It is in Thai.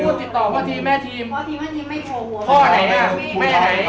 กรูพ่อทิมต่อก็จะติดต่อพ่อทิม